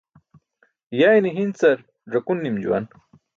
Yayne hi̇ncar ẓakun nim juwan.